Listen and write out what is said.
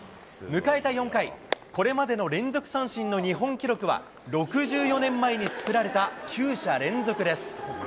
迎えた４回、これまでの連続三振の日本記録は６４年前に作られた９者連続です。